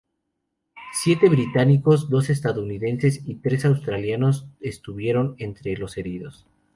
Siete británicos, dos estadounidenses y tres australianos estuvieron entre los heridos.